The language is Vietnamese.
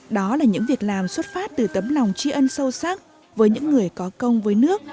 đó là những việc làm xuất phát từ tấm lòng tri ân sâu sắc với những người có công với nước